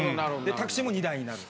タクシーも２台になる。